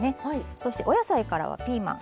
そしてお野菜からはピーマン。